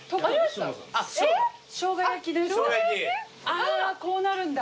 あこうなるんだ。